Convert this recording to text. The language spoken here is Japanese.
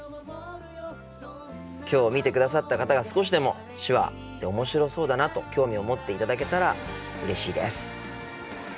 今日見てくださった方が少しでも手話って面白そうだなと興味を持っていただけたらうれしいです。